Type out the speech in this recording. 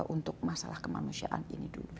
untuk masalah kemanusiaan ini dulu